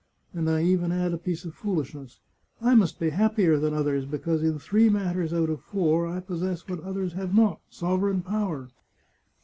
And I even add a piece of foolishness —* I must be happier than others, because in three matters out of four I possess what others have not, sovereign power.